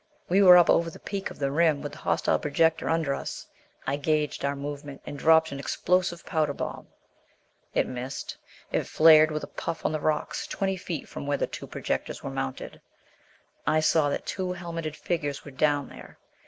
We were up over the peak of the rim with the hostile projectors under us. I gauged our movement, and dropped an explosive powder bomb. It missed. It flared with a puff on the rocks, twenty feet from where the two projectors were mounted. I saw that two helmeted figures were down there.